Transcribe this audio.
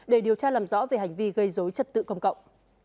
để điều tra làm rõ về hành vi gây dối trật tự công cộng